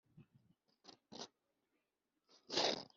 mwaramutseho mwese bantu bange